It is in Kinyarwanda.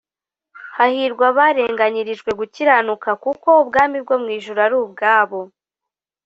“hahirwa abarenganyirijwe gukiranuka, kuko ubwami bwo mu ijuru ari ubwabo